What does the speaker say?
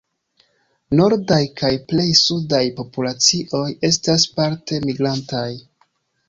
Nordaj kaj plej sudaj populacioj estas parte migrantaj.